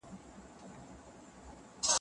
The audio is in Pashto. قزاقي سمند دې زین کړه